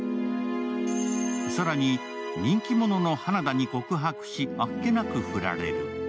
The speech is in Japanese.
更に、人気者の花田に告白し、あっけなく振られる。